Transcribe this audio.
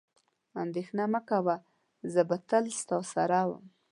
اندېښنه مه کوه، زه به تل ستا سره وم.